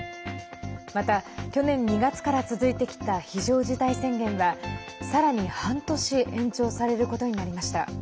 また、去年２月から続いてきた非常事態宣言は、さらに半年延長されることになりました。